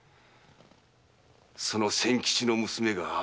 その仙吉の娘が。